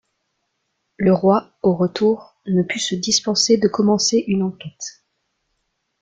Le roi, au retour, ne put se dispenser de commencer une enquête.